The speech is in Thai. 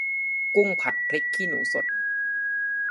กุ้งผัดพริกขี้หนูสด